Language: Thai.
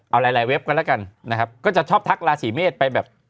เอาหลายหลายเว็บกันแล้วกันนะครับก็จะชอบทักราศีเมษไปแบบ